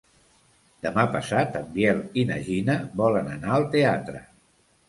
Demà passat en Biel i na Gina volen anar al teatre.